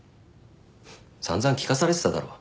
散々聞かされてただろ。